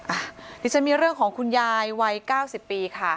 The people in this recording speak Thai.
อ่ะดิฉันมีเรื่องของคุณยายวัย๙๐ปีค่ะ